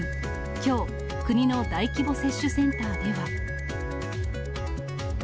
きょう、国の大規模接種センターでは。